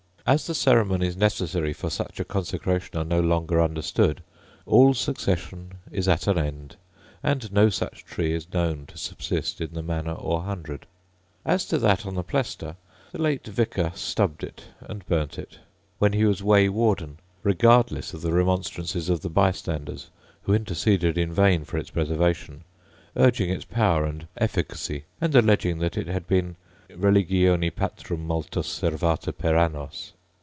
As the ceremonies necessary for such a consecration are no longer understood, all succession is at an end, and no such tree is known to subsist in the manor, or hundred. * For a similar practice, see Plot's Staffordshire. As to that on the Plestor, The late vicar stubb'd and burnt it, when he was way warden, regardless of the remonstrances of the by standers, who interceded in vain for its preservation, urging its power and efficacy, and alleging that it had been Religione patrum multos servata per annos.